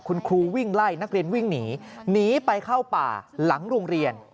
คุณครูวิ่งไล่นักเรียนวิ่งหนีหนีไปเข้าป่าหลังโรงเรียน